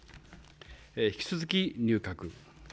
引き続き入閣。